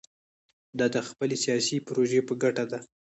دا د خپلې سیاسي پروژې په ګټه ده.